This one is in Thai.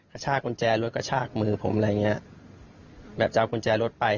ชากกุญแจรถกระชากมือผมอะไรอย่างเงี้ยแบบจะเอากุญแจรถไป